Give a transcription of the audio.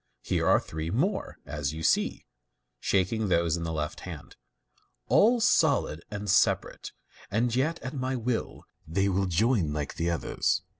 Here are three more, as you see (shaking those in the left hand), all solid and separate, and yet at my will they will join like the others."